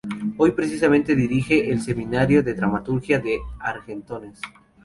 Hoy precisamente dirige el Seminario de Dramaturgia de Argentores.